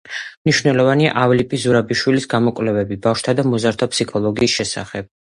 მნიშვნელოვანია ავლიპი ზურაბაშვილის გამოკვლევები ბავშვთა და მოზარდთა ფსიქოლოგიის შესახებ.